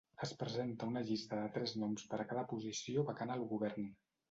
Es presenta una llista de tres noms per a cada posició vacant al Govern.